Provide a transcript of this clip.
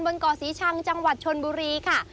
บนเกาะสีชังชนบุรีค่ะ